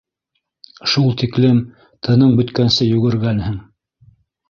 Шул тиклем, тының бөткәнсе йүгергәнһең...